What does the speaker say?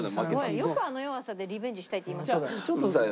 よくあの弱さでリベンジしたいって言いましたね。